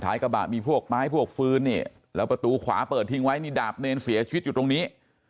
กระบะมีพวกไม้พวกฟื้นนี่แล้วประตูขวาเปิดทิ้งไว้นี่ดาบเนรเสียชีวิตอยู่ตรงนี้